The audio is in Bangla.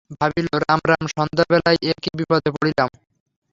ভাবিল, রাম রাম সন্ধ্যাবেলায় এ কী বিপদেই পড়িলাম।